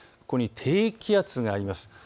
ここに低気圧があります。